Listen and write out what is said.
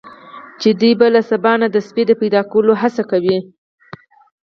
چې دی به له سبا نه د سپي د پیدا کولو هڅه کوي.